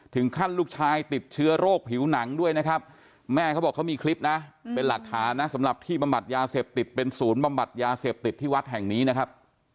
ถึงขั้นลูกชายติดเชื้อโรคผิวหนังด้วยนะครับแม่เขาบอกเขามีคลิปนะเป็นหลักฐานนะสำหรับที่บำบัดยาเสพติดเป็นศูนย์บำบัดยาเสพติดที่วัดแห่งนี้นะครับ